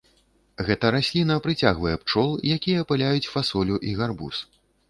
Гэта расліна прыцягвае пчол, якія апыляюць фасолю і гарбуз.